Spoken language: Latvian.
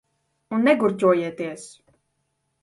Un negurķojieties.